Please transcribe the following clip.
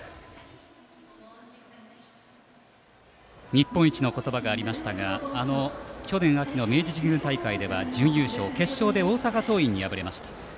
日本一の言葉がありましたが去年秋の明治神宮大会では準優勝決勝で大阪桐蔭に敗れました。